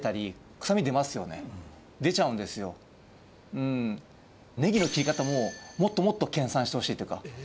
うんネギの切り方ももっともっと研鑽してほしいっていうか